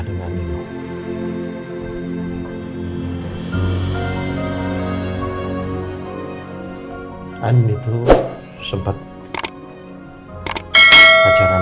dia udah jatuh